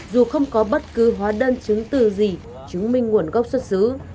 dù không có bất cứ hóa đơn chứng từ gì chứng minh nguồn gốc xuất xứ